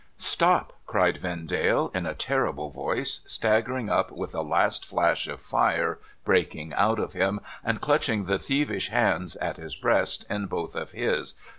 ' Stop !' cried Vendale, in a terrible voice, staggering up witli a last flash of fire breaking out of him, and clutching the thievish hands at his breast, in both of his.